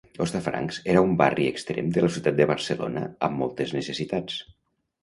Hostafrancs era un barri extrem de la ciutat de Barcelona amb moltes necessitats.